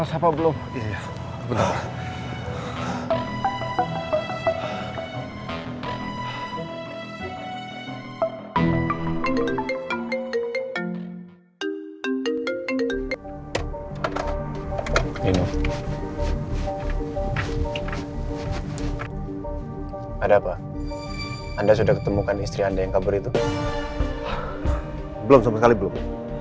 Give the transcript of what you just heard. siapa belum ini ada apa anda sudah ketemukan istri anda yang kabur itu belum sekali belum